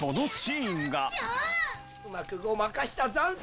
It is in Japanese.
うまくごまかしたざんす！